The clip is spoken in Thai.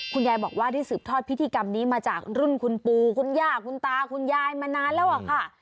คุณยายบอกว่าได้สืบทอดพิธีกรรมนี้มาจากรุ่นคุณปู่คุณย่าคุณตาคุณยายมานานแล้วอะค่ะ